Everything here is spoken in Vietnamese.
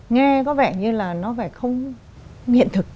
nghe có vẻ như là nó phải không hiện thực